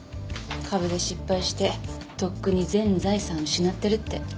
株で失敗してとっくに全財産失ってるって。